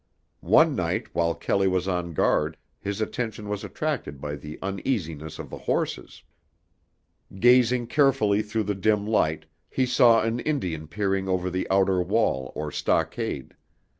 One night while Kelley was on guard his attention was attracted by the uneasiness of the horses. Gazing carefully through the dim light, he saw an Indian peering over the outer wall or stockade.